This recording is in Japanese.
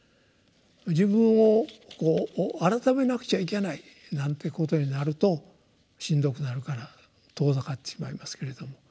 自分を改めなくちゃいけないなんていうことになるとしんどくなるから遠ざかってしまいますけれども。